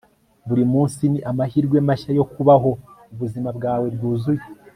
buri munsi ni amahirwe mashya yo kubaho ubuzima bwawe bwuzuye